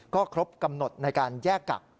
ก็ครบกำหนดในการแยกกัก